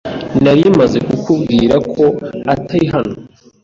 Nari maze kukubwira ko atari hano.